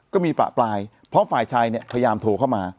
ก็มีประปรายเพราะฝ่ายชายเนี่ยพยายามโทรเข้ามา